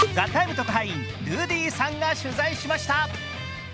特派員、ルディさんが取材しました。